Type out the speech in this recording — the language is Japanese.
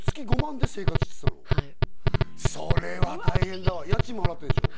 じゃあそのはいそれは大変だわ家賃も払ってるんでしょ？